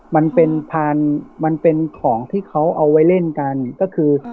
มันเป็นพานมันเป็นของที่เขาเอาไว้เล่นกันก็คือ